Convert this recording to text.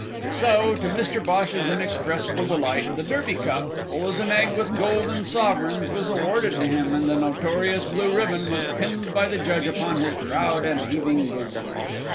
So, to Mr Bhosh's inexpressible delight, the Derby Cup, full as an egg with golden sovereigns, was awarded to him, and the notorious blue ribbon was pinned by the judge upon his proud and heaving bosom.